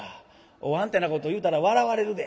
おわんってなこと言うたら笑われるで」。